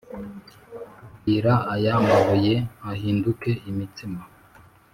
Bwira aya mabuye ahinduke imitsima